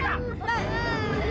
ada apa ini